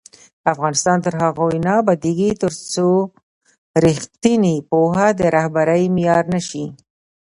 افغانستان تر هغو نه ابادیږي، ترڅو ریښتینې پوهه د رهبرۍ معیار نه شي.